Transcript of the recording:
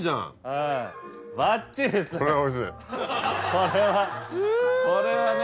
これはこれはね。